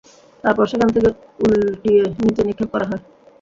তারপর সেখান থেকে উল্টিয়ে নিচে নিক্ষেপ করা হয়।